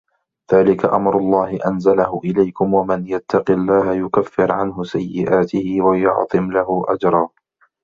ذلِكَ أَمرُ اللَّهِ أَنزَلَهُ إِلَيكُم وَمَن يَتَّقِ اللَّهَ يُكَفِّر عَنهُ سَيِّئَاتِهِ وَيُعظِم لَهُ أَجرًا